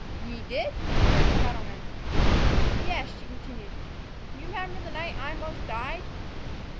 "Ye did?" queried the cattleman. "Yes," she continued. "You 'member the night I 'most died?"